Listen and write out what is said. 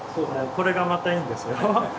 これがまたいいんですよ。